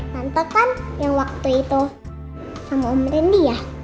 tante kan yang waktu itu sama om randy ya